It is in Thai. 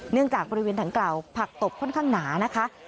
จากบริเวณดังกล่าวผักตบค่อนข้างหนานะคะ